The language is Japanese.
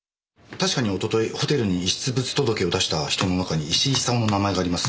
確かにおとといホテルに遺失物届を出した人の中に石井久雄の名前があります。